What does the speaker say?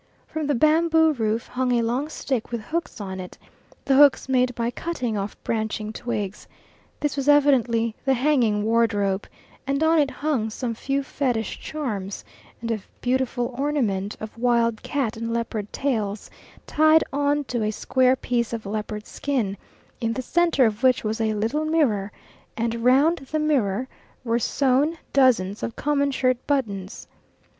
From the bamboo roof hung a long stick with hooks on it, the hooks made by cutting off branching twigs. This was evidently the hanging wardrobe, and on it hung some few fetish charms, and a beautiful ornament of wild cat and leopard tails, tied on to a square piece of leopard skin, in the centre of which was a little mirror, and round the mirror were sewn dozens of common shirt buttons.